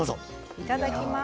いただきます。